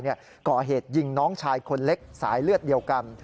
ก่อเหตุยิงน้องชายคนเล็กสายเลือดเดียวกัน